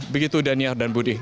begitu daniel dan budi